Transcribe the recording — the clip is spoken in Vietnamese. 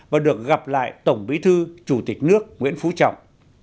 và được gặp lại tổng bí thư chủ tịch nước nguyễn phú trọng